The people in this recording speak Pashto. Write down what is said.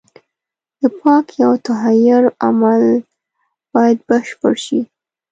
د پاکۍ او تطهير عمل بايد بشپړ شي.